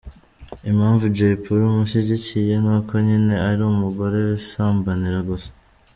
Impamvu Jay Polly amushyigikiye, nuko nyine ari umugore bisambanira gusa.